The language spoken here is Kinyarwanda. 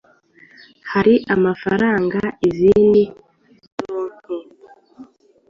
Hari amafaranga, izindi ndonke